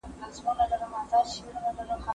زه له سهاره کښېناستل کوم؟!